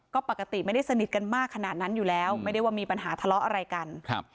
ก็ปกติไม่ได้สนิทกันมากขนาดนั้นอยู่แล้วไม่ได้ว่ามีปัญหาทะเลาะอะไรกันครับ